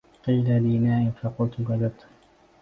قيل لي نائم فقلت كذبتم